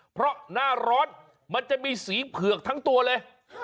เพราะหน้าร้อนมันจะมีสีเผือกทั้งตัวเลย